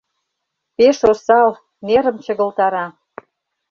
Пеш осал: нерым чыгылтара...